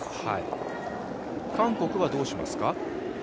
韓国はどうしますか？